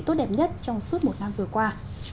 tốt đẹp nhất trong suốt một năm vừa qua